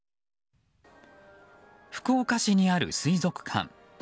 福岡市にある水族館。